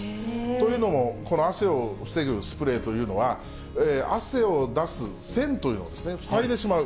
というのも、この汗を防ぐスプレーというのは、汗を出す腺というのを塞いでしまう。